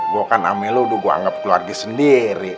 gua kan ame lo udah gua anggap keluarga sendiri